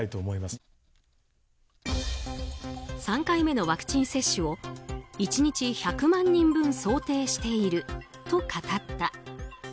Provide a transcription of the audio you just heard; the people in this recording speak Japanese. ３回目のワクチン接種を１日１００万人分想定していると語った。